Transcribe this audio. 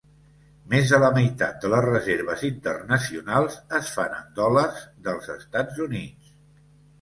Més de la meitat de les reserves internacionals es fan en dòlars dels Estats Units.